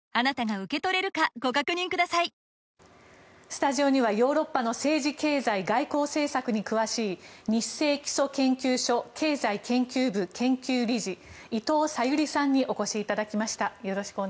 スタジオにはヨーロッパの政治・経済・外交政策に詳しいニッセイ基礎研究所経済研究部研究理事、伊藤さゆりさんにお越しいただきました。